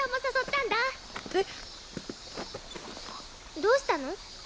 どうしたの？